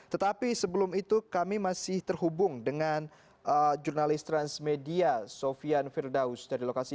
tetapi sebelum itu kami masih terhubung dengan jurnalis transmedia sofian firdaus dari lokasi